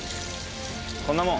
こんなもん。